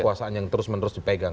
kekuasaan yang terus menerus dipegang